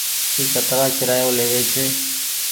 اي ڪترآ ڪيرآيو ليوي ڇي۔